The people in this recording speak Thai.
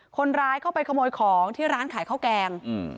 คนร้ายเข้าไปขโมยของที่ร้านขายข้าวแกง